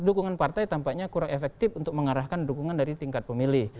dukungan partai tampaknya kurang efektif untuk mengarahkan dukungan dari tingkat pemilih